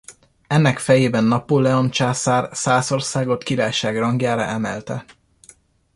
Ennek fejében Napóleon császár Szászországot királyság rangjára emelte.